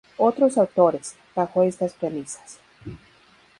Otros autores, bajo estas premisas.